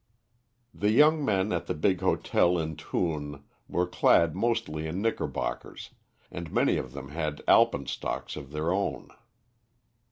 The young men at the big hotel in Thun were clad mostly in knickerbockers, and many of them had alpenstocks of their own.